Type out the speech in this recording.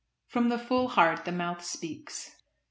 "FROM THE FULL HEART THE MOUTH SPEAKS."